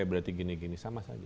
berarti gini gini sama saja